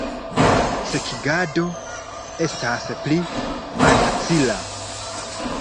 Sekigado estas pli malfacila.